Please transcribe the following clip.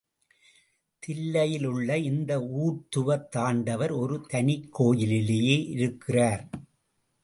தில்லையிலுள்ள இந்த ஊர்த்துவ தாண்டவர் ஒரு தனிக் கோயிலிலேயே இருக்கிறார்.